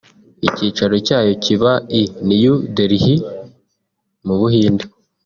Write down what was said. Icyicaro cyayo kiba i New Delhi mu Buhinde